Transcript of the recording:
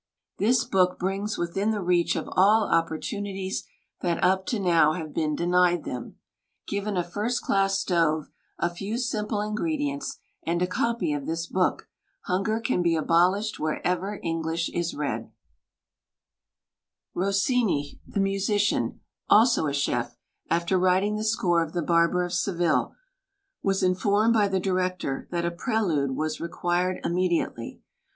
This book brings within the reach of all opportunities that up to now have been denied them. Given a first class stove, a few simple ingredients and a copy of this book, hunger can be abolished wherever English is read. [xi] INTRODUCTION Rossini, the musician, also a chef, after writing the score of The Barber of Seville, was informed by the direc tor that a prelude was required immediately.